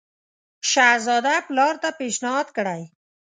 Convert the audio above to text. شهزاده پلار ته پېشنهاد کړی.